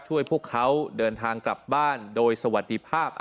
พวกเขาเดินทางกลับบ้านโดยสวัสดีภาพ